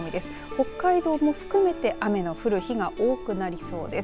北海道も含めて雨の降る日が多くなりそうです。